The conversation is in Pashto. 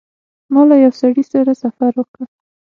ما له یوه سړي سره سفر وکړ.